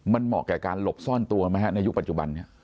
มันเหมาะแก่การหลบซ่อนตัวไหมฮะในยุคปัจจุบันนี้